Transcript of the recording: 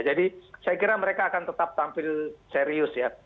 jadi saya kira mereka akan tetap tampil serius ya